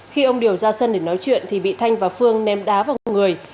khi ông điều ra sân để nói chuyện thì bị thanh và phương ném đá vào vùng người